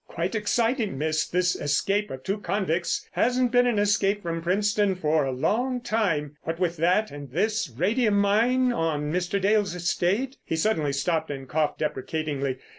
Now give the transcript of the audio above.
"Quite exciting, miss, this escape of two convicts. Hasn't been an escape from Princetown for a long time. What with that and this radium mine on Mr. Dale's estate——" He suddenly stopped and coughed deprecatingly.